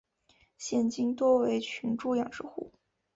现今多为群猪养殖户。